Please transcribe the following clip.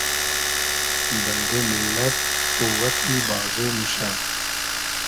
بئلدې میللئد قووئتی بازو موشۂ